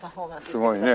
すごいね。